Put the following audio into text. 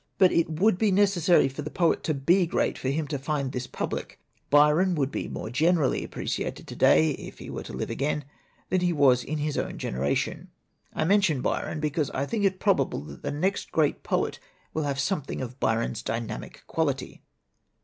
But it would be necessary for the poet to be great for him to find this public. Byron would be more generally appreciated to day, if 148 SIXTEEN DON'TS FOR POETS he were to live again, than he was in his own generation. I mention Byron because I think it probable that the next great poet will have some thing of Byron's dynamic quality."